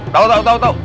tau tau tau tau